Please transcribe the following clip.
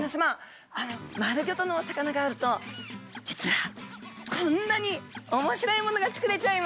丸ギョとのお魚があると実はこんなに面白いものが作れちゃいます。